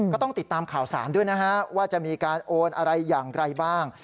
ก็ต้องติดตามข่าวสารด้วยนะฮะว่าจะมีการโอนอะไรอย่างไรบ้าง